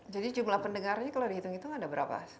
jadi jumlah pendengarnya kalau dihitung hitung ada berapa